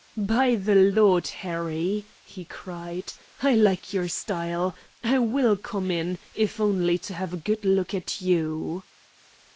"By the Lord Harry," he cried, "I like your style! I will come in, if only to have a good look at you."